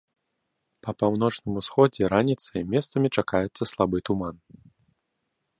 Па паўночным усходзе раніцай месцамі чакаецца слабы туман.